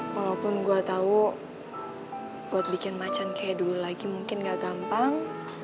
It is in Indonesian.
walaupun gue tahu buat bikin macan kayak dulu lagi mungkin gak gampang